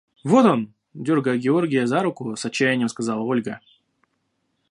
– Вот он! – дергая Георгия за руку, с отчаянием сказала Ольга.